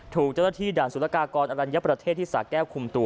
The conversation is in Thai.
ถูกเจ้าหน้าที่ด่านสุรกากรอรัญญประเทศที่สาแก้วคุมตัว